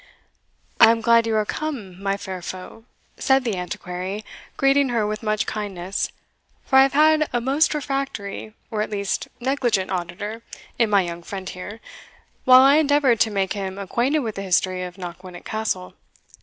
"I am glad you are come, my fair foe," said the Antiquary greeting her with much kindness, "for I have had a most refractory, or at least negligent auditor, in my young friend here, while I endeavoured to make him acquainted with the history of Knockwinnock Castle.